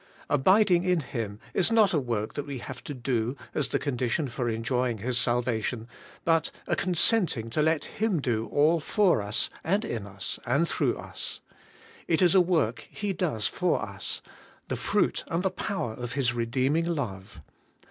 Abiding in Him is not a work that we have to do as the condition for enjoying His salvation, but a consenting to let Him do all for us, and in us, and through us. It is a work He does for us, — the fruit and the power of His redeeming love.